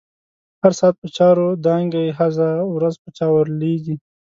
هر ساعت په چاور دانګی، هزه ورځ په چا ور لويږی